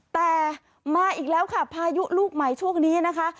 แต่มาอีกแล้วค่ะพายุลูกใหม่ช่วงนี้นะคะ